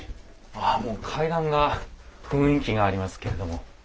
ああもう階段が雰囲気がありますけれども。